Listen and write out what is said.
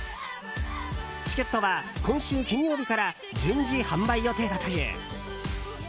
チケットは今週金曜日から順次販売予定だという。